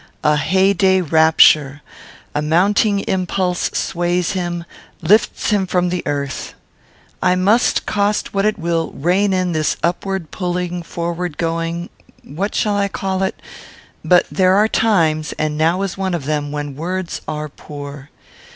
A heyday rapture! A mounting impulse sways him: lifts him from the earth. I must, cost what it will, rein in this upward pulling, forward going what shall I call it? But there are times, and now is one of them, when words are poor.